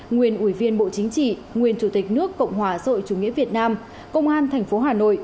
nguyên ủy viên bộ chính trị nguyên chủ tịch nước cộng hòa rội chủ nghĩa việt nam công an thành phố hà nội